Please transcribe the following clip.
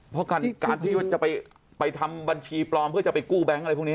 เพราะการที่ว่าจะไปทำบัญชีปลอมเพื่อจะไปกู้แบงค์อะไรพวกนี้